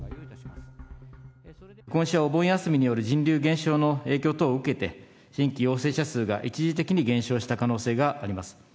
今週はお盆休みによる人流減少の影響等を受けて、新規陽性者数が一時的に減少した可能性があります。